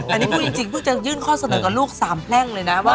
อันนี้พูดจริงเพิ่งจะยื่นข้อเสนอกับลูกสามแพร่งเลยนะว่า